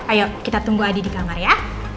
ayo kita tunggu adi di kamar ya